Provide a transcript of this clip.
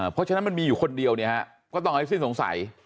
เพราะฉะนั้นมันมีอยู่คนเดียวก็ต้องให้สิ้นสงสัย